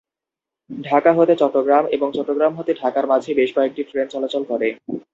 ঢাকা হতে চট্টগ্রাম এবং চট্টগ্রাম হতে ঢাকার মাঝে বেশ কয়েকটি ট্রেন চলাচল করে।